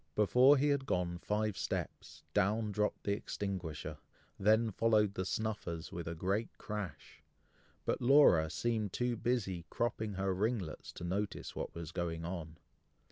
Before he had gone five steps, down dropped the extinguisher, then followed the snuffers with a great crash, but Laura seemed too busy cropping her ringlets, to notice what was going on.